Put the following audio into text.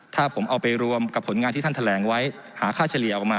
ถ้าผมเอาไปรวมกับผลงานที่ท่านแถลงไว้หาค่าเฉลี่ยออกมา